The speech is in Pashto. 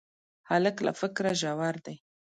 هلک له فکره ژور دی.